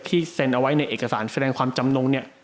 เซ็นเอาไว้ในเอกสารแสดงความจำนงเนี่ย